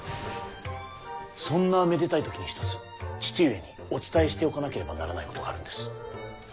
そんなめでたい時に一つ父上にお伝えしておかなければならないことがあるんです。